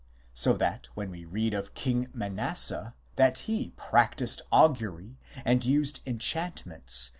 So that when we read of king Manasseh that he " practised augury, and used enchant 1 I.